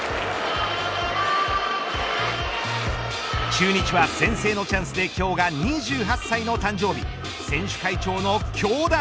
中日は先制のチャンスで今日が２８歳の誕生日選手会長の京田。